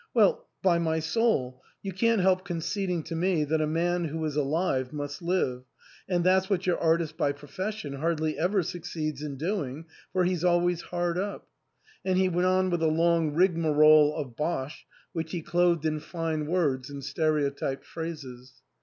" Well, by my soul, you can't help conceding to me that a man who is alive must live, and that's what your artist by profession hardly ever succeeds in doing, for he's always hard up." And he went on with a long rigmarole of bosh, which he clothed in fine words and stereotyped phrases.